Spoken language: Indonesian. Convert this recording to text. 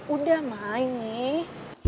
udah main nih